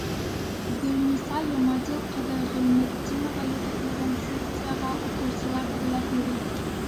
Гөлниса Йомадил ҡыҙы Ғилметдинова етәкләгән секцияға уҡыусылар теләп йөрөй.